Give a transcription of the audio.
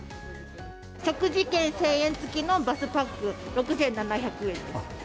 食事券１０００円付きのバスパック６７００円です。